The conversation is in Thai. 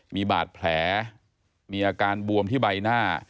มีบาดแผลมีอาการบวมที่ใบหน้า